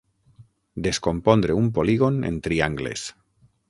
Descompondre un polígon en triangles.